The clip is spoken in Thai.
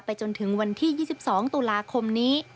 จนถึงวันที่๒๒ตุลาคมนี้